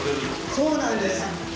そうなんです。